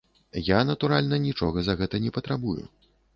Я, натуральна, нічога за гэта не патрабую.